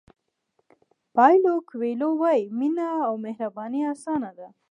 پایلو کویلو وایي مینه او مهرباني اسانه ده.